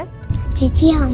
terima kasih ya oma